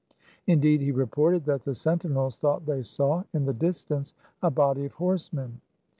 In deed he reported that the sentinels thought they saw, in the distance, a body of horsemen.